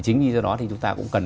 chính vì do đó thì chúng ta cũng cần